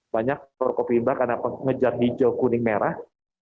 banyak forkopimda karena mengejar hijau kuning merah